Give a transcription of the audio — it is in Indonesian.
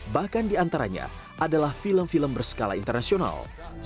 bahkan di antaranya adalah film film berskala internasional